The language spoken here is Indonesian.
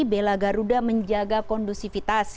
bela garuda menjaga kondusivitas